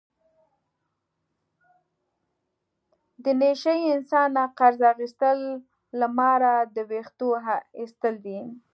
د نشه یي انسان نه قرض اخستل له ماره د وېښتو ایستل دي.